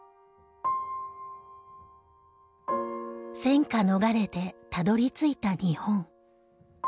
戦火逃れてたどり着いた日本。